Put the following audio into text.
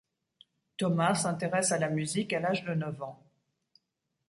Thomas s'intéresse à la musique à l'âge de neuf ans.